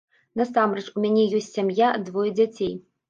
Насамрэч, у мяне ёсць сям'я, двое дзяцей.